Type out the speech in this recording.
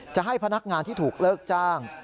จะให้พนักงานที่ถูกเลิกจ้าง